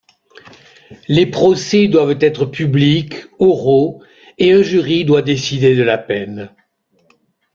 Les procès doivent être publics, oraux et un jury doit décider de la peine.